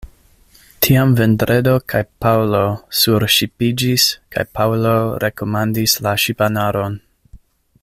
Tiam Vendredo kaj Paŭlo surŝipiĝis, kaj Paŭlo rekomandis la ŝipanaron.